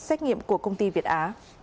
xét nghiệm của công ty việt á